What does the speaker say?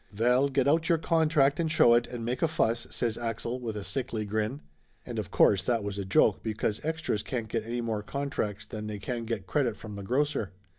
"Veil, get out your contract and show it and make a fuss!" says Axel with a sickly grin. And of course that was a joke because extras can't any more get contracts than they can get credit from the grocer.